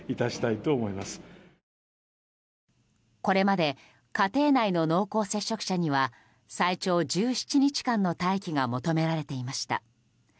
これまで家庭内の濃厚接触者には最長１７日間の待機が求められていました。